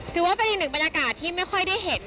ถือว่าเป็นอีกหนึ่งบรรยากาศที่ไม่ค่อยได้เห็น